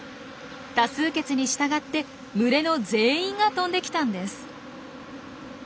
多数決に従って群れの全員が飛んで来たんです。